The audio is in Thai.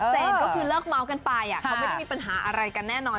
ก็คือเลิกม้าวกันไปเขาไม่ต้องมีปัญหาอะไรกันน่าจะนอน